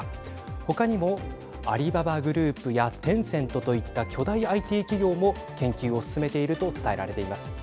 他にもアリババグループやテンセントといった巨大ＩＴ企業も研究を進めていると伝えられています。